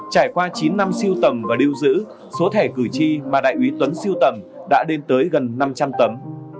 trải qua chín năm siêu tầm và điều giữ số thẻ cử tri mà đại quý tuấn siêu tầm đã đến tới gần năm trăm linh tấm